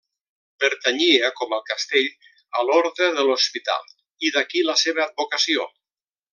Pertanyia, com el castell, a l'Orde de l'Hospital i d'aquí la seva advocació.